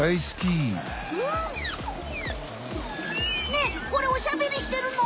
ねえこれおしゃべりしてるの？